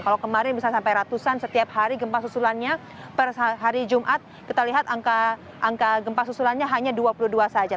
kalau kemarin bisa sampai ratusan setiap hari gempa susulannya per hari jumat kita lihat angka gempa susulannya hanya dua puluh dua saja